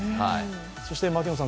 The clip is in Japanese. そして、槙野さん